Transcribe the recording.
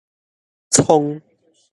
蒼